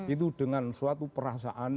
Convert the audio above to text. itu dengan suatu perasaan